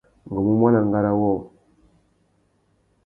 Ngu mú muaná ngárá wôō.